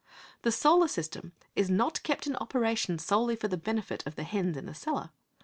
The solar system is not kept in operation solely for the benefit of the hens in the cellar.